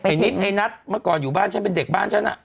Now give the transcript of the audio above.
นิดไอ้นัทเมื่อก่อนอยู่บ้านฉันเป็นเด็กบ้านฉันน่ะ